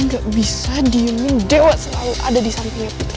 gue gak bisa diiming dewa selalu ada di sampingnya putri